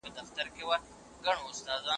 په رڼا ورځ چي په عصا د لاري څرک لټوي